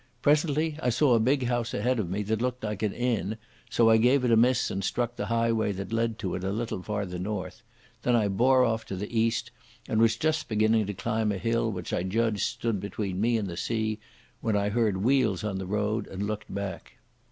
Presently I saw a big house ahead of me that looked like an inn, so I gave it a miss and struck the highway that led to it a little farther north. Then I bore off to the east, and was just beginning to climb a hill which I judged stood between me and the sea, when I heard wheels on the road and looked back.